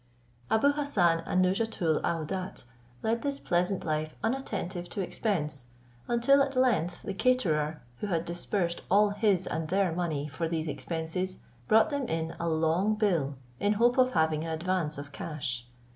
Abou Hassan and Nouzhatoul aouadat led this pleasant life unattentive to expense, until at length the caterer, who had disbursed all his and their money for these expenses, brought them in a long bill in hope of having an advance of cash.